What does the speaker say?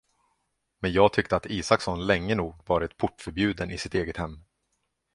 Men jag tyckte att Isaksson länge nog varit portförbjuden i sitt eget hem.